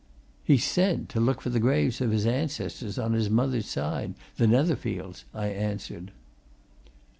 "He said to look for the graves of his ancestors on the mother's side, the Netherfields," I answered.